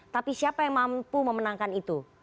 tapi siapa yang mampu memenangkan itu